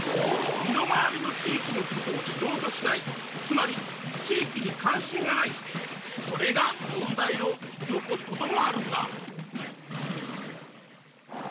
身の回りの地域のことを知ろうとしないつまり地域に関心がないそれが問題を引き起こすこともあるんだ。